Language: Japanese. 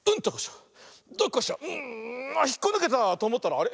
うん。あっひっこぬけた！とおもったらあれ？